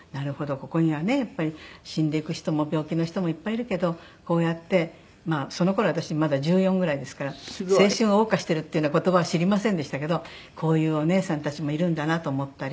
ここにはねやっぱり死んでいく人も病気の人もいっぱいいるけどこうやってまあその頃は私まだ１４ぐらいですから青春を謳歌してるっていうような言葉は知りませんでしたけどこういうお姉さんたちもいるんだなと思ったり。